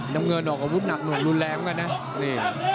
น้ำเงินออกอาวุธหนักหน่วงรุนแรงมานะนี่